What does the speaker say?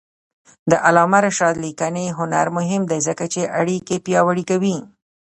د علامه رشاد لیکنی هنر مهم دی ځکه چې اړیکې پیاوړې کوي.